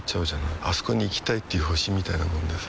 あそこに行きたいっていう星みたいなもんでさ